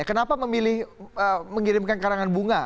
kenapa memilih mengirimkan karangan bunga